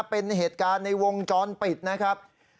เป็นเหตุการณ์ในวงจรปิดนะครับ